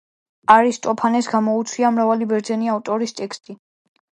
არისტოფანეს გამოუცია მრავალი ბერძენი ავტორის ტექსტი.